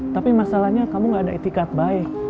tapi masalahnya kamu gak ada etikat baik